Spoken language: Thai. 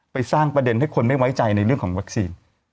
สร้างประเด็นให้คนไม่ไว้ใจในเรื่องของวัคซีน